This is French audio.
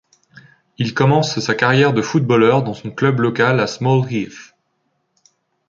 Il commence sa carrière de footballeur dans son club local à Small Heath.